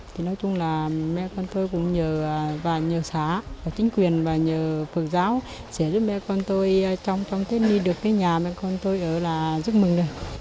thì nói chung là mẹ con tôi cũng nhờ và nhờ xã và chính quyền và nhờ phật giáo sẽ giúp mẹ con tôi trong tết đi được cái nhà mẹ con tôi ở là rất mừng